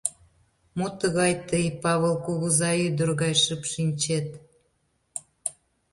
— Мо тыгай тый, Павыл кугызай, ӱдыр гай шып шинчет?